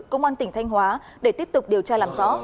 công an tỉnh thanh hóa để tiếp tục điều tra làm rõ